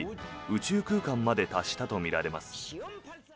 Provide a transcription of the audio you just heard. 宇宙空間まで達したとみられます。